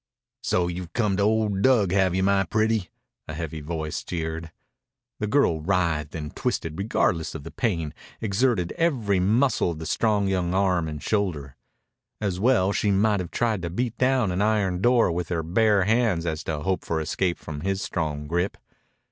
"So you've come to old Dug, have you, my pretty?" a heavy voice jeered. The girl writhed and twisted regardless of the pain, exerting every muscle of the strong young arm and shoulder. As well she might have tried to beat down an iron door with her bare hands as to hope for escape from his strong grip.